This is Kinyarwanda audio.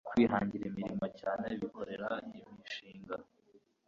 kwihangira imirimo cyane bikorera imishinga